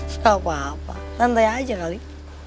nggak apa apa santai aja kali